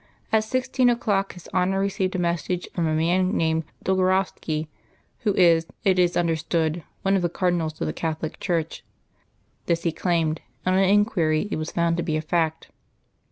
At sixteen o'clock His Honour received a message from a man named Dolgorovski who is, it is understood, one of the Cardinals of the Catholic Church. This he claimed; and on inquiry it was found to be a fact.